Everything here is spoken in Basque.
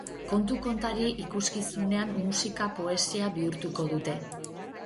Kontu kontari ikuskizunean, musika poesia bihurtuko dute.